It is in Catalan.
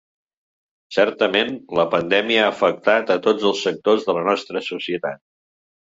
Certament, la pandèmia ha afectat a tots els sectors de la nostra societat.